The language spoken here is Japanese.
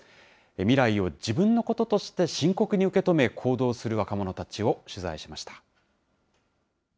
未来を自分のこととして深刻に受け止め、行動する若者たちを取材しました。